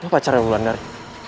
lo pacarnya ulan dari